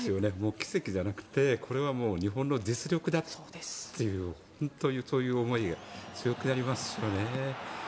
奇跡じゃなくてこれは日本の実力だという本当に、そういう思いが強くなりますよね。